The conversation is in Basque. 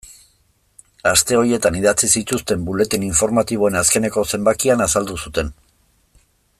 Aste horietan idatzi zituzten buletin informatiboen azkeneko zenbakian azaldu zuten.